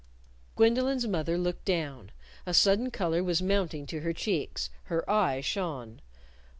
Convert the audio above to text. Gwendolyn's mother looked down. A sudden color was mounting to her cheeks. Her eyes shone.